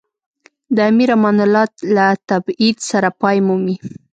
د امیر امان الله له تبعید سره پای مومي.